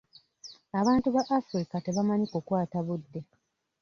Abantu ba Afirika tebamanyi kukwata budde.